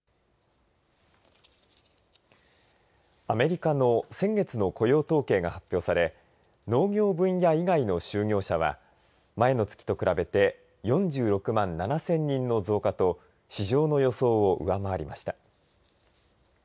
アメリカの先月の雇用統計が発表され農業分野以外の就業者は前の月と比べて４６万７０００人の増加と市場の予想を上回りました。